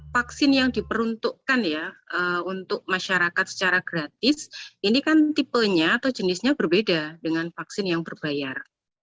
vaksin yang diperuntukkan ya untuk masyarakat secara gratis ini kan tipenya atau jenisnya berbeda dengan vaksin yang berbayar